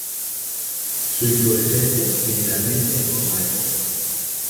Su inflorescencia generalmente en forma de copa.